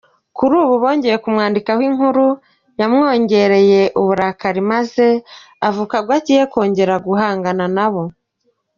Kuri ubu bongeye kumwandikaho inkuru yamwongereye uburakari maze avuga ko agiye kongera guhangana nabo.